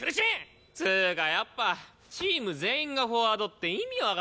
つうかやっぱチーム全員がフォワードって意味わかんねえ。